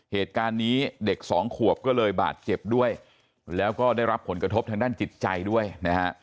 เหตุการณ์นี้เด็กสองขวบก็เลยบาดเจ็บด้วยแล้วก็ได้รับผลกระทบทางด้านจิตใจด้วยนะฮะ